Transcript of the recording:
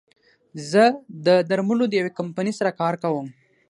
زه د درملو د يوې کمپنۍ سره کار کوم